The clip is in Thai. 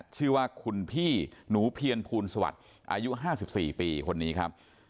ชื่อว่าคุณพี่หนูเพียรภูลสวัสดิ์อายุ๕๔ปีคนนี้ครับ